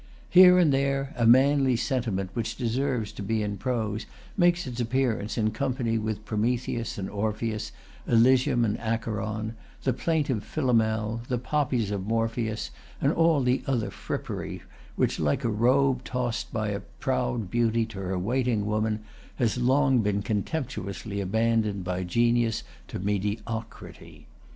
Here and there a manly sentiment which deserves to be in prose makes its appearance in company with Prometheus and Orpheus, Elysium and Acheron, the plaintive Philomel, the poppies of Morpheus, and all the other frippery which, like a robe tossed by a proud beauty to her waiting woman, has long been contemptuously abandoned by genius to mediocrity.